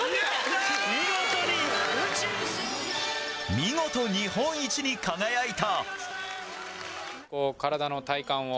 見事日本一に輝いた。